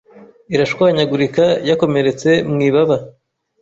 irashwanyagurika yakomeretse mu ibaba